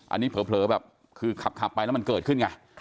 อันนี้เผลอแบบคือขับไปแล้วมันเกิดขึ้นไง